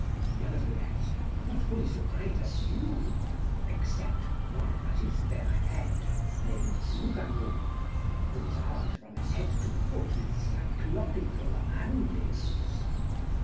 Nevertheless, not fully so great as you, except one that is their head, named Loupgarou, who is armed from head to foot with cyclopical anvils.